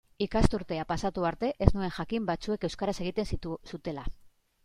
Ikasturtea pasatu arte ez nuen jakin batzuek euskaraz egiten zutela.